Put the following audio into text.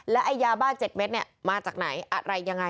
และไอ้ยาบ้า๗เม็ดมาจากไหนอะไรยังไง